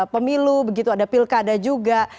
pemilu begitu ada pilkada juga